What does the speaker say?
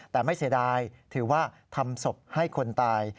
แต่ไม่เสียดายถือว่าทำศพให้คนตาย